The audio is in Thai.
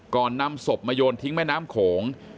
นำศพมาโยนทิ้งแม่น้ำโขง